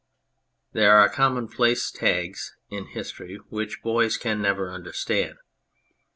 There are commonplace tags in history which boys can never understand.